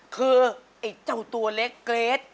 คือเจ้าตัวเล็กเกรท